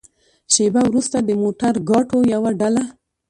شېبه وروسته د موترګاټو يوه ډله.